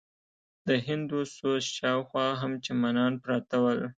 د هندوسوز شاوخوا هم چمنان پراته ول.